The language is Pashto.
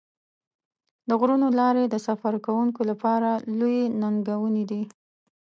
د غرونو لارې د سفر کوونکو لپاره لویې ننګونې دي.